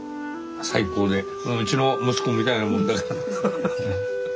最高でうちの息子みたいなもんだから。